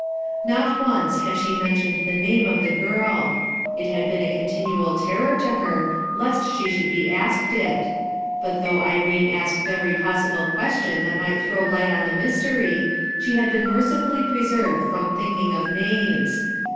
Not once had she mentioned the name of the girl. It had been a continual terror to her lest 260 BUTH ERSKINE'S SON she should be asked it; but though Irene asked every possible question that might throw light on the mystery, she had been mercifully pre. served from thinking of names.